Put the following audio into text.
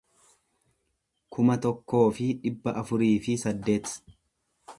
kuma tokkoo fi dhibba afurii fi saddeet